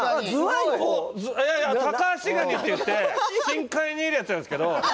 いやいやいやタカアシガニっていって深海にいるやつなんですけど。